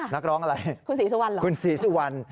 ค่ะคุณศรีสุวรรณหรอคุณศรีสุวรรณ